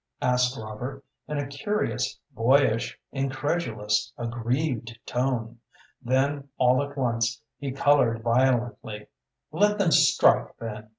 asked Robert, in a curious, boyish, incredulous, aggrieved tone. Then all at once he colored violently. "Let them strike, then!"